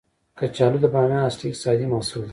کچالو د بامیان اصلي اقتصادي محصول دی